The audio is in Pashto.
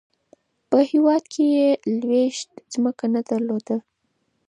په هیواد کې یې لویشت ځمکه نه درلوده.